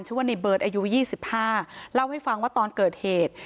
ชื่อว่าในเบิร์ดอายุยี่สิบห้าเล่าให้ฟังว่าตอนเกิดเหตุ